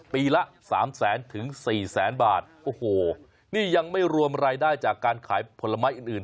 ปีละสามแสนถึงสี่แสนบาทโอ้โหนี่ยังไม่รวมรายได้จากการขายผลไม้อื่น